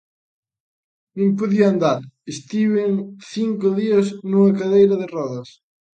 Non podía andar, estiven cinco días nunha cadeira de rodas.